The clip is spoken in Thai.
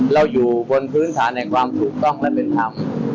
อยู่บนพื้นฐานแห่งความถูกต้องและเป็นธรรม